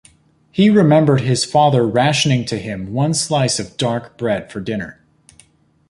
He remembered his father rationing to him one slice of dark bread for dinner.